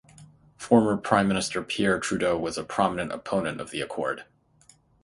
Former Prime Minister Pierre Trudeau was a prominent opponent of the Accord.